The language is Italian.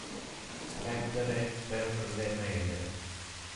Prendere per le mele.